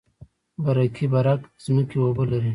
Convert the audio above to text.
برکي برک ځمکې اوبه لري؟